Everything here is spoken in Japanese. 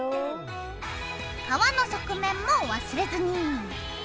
皮の側面も忘れずに。